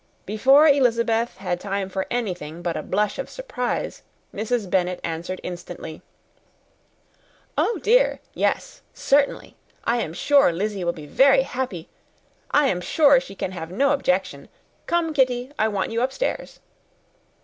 Before Elizabeth had time for anything but a blush of surprise, Mrs. Bennet instantly answered, "Oh dear! Yes, certainly. I am sure Lizzy will be very happy I am sure she can have no objection. Come, Kitty, I want you upstairs."